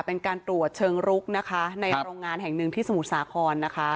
เป็นการตรวจเชิงรุกนะคะในโรงงานแห่งหนึ่งที่สมุทรสาครนะคะ